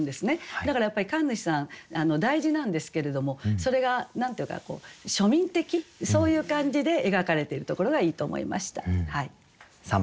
だからやっぱり神主さん大事なんですけれどもそれが何と言うかこう庶民的そういう感じで描かれてるところがいいと思いました。